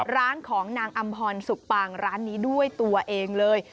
ร้านของนางอำพรสุกปางร้านนี้ด้วยตัวเองเลย